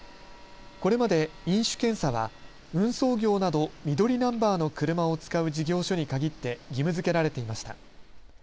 これまで飲酒検査は運送業など緑ナンバーの車を使う事業所に限って義務づけられていました。